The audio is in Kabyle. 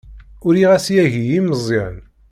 Uriɣ-as yagi i Meẓyan.